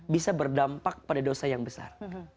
bisa berdampak pada dosa yang besar